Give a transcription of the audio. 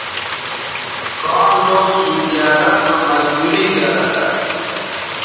کاں لو سعودی عرب مہ مزدوری گرہ تھہ